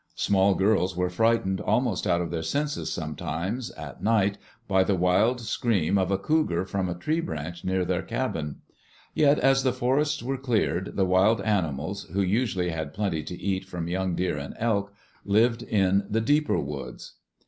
Small girls were frightened almost out of their senses sometimes, at night, by the wild scream of a cougar from a tree branch near their cabin. Yet as the forests were cleared, the wild animals, who usually had plenty to eat from young deer and elk, lived in the deeper woods.